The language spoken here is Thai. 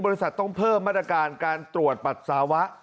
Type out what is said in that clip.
ต้องเพิ่มมาตรการการตรวจปัสสาวะ